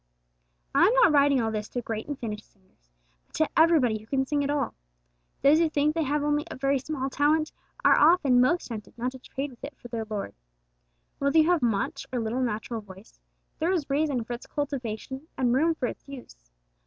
I am not writing all this to great and finished singers, but to everybody who can sing at all. Those who think they have only a very small talent, are often most tempted not to trade with it for their Lord. Whether you have much or little natural voice, there is reason for its cultivation and room for its use.